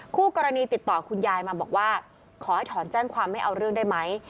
คู่กรณีติดต่อคุณยายมาบอกว่าขอให้ถอนแจ้งความไม่เอาเรื่องได้ไหม